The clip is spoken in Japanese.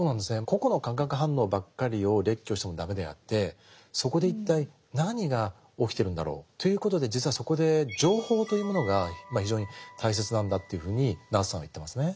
個々の化学反応ばっかりを列挙しても駄目であってそこで一体何が起きてるんだろうということで実はそこで情報というものが非常に大切なんだというふうにナースさんは言ってますね。